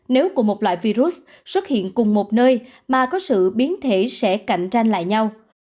nếu của một loại virus xuất hiện cùng một nơi mà có sự biến thể sẽ cạnh tranh lại nhau